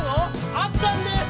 あったんです！